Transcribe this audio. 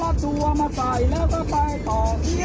กลับแล้วจะไปอาหารอาหารไม่ดี